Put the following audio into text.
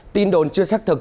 tin đồn chưa xác thực